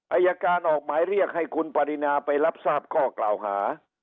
อายการออกหมายเรียกให้คุณปรินาไปรับทราบข้อกล่าวหา